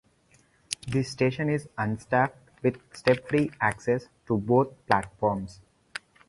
The station is unstaffed with step-free access to both platforms.